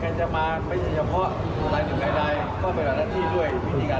ถ้าในการถามคุณภูมิศิลป์ได้ไว้ส่วนมาที่กลุ่มคนอุบัติเหมือนกัน